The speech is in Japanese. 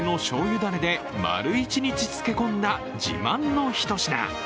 だれでつけ込んだ自慢のひと品。